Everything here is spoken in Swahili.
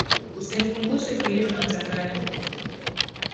Usinikumbushe kilio matangani